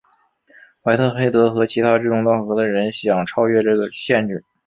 怀特黑德和其他志同道合的人想超越这个限制。